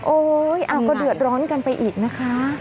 โอ๊ยก็เดือดร้อนกันไปอีกนะคะ